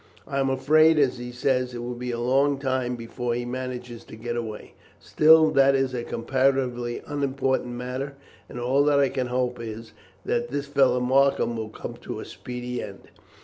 I am afraid, as he says, it will be a long time before he manages to get away; still, that is a comparatively unimportant matter, and all that I can hope is that this fellow Markham will come to a speedy end.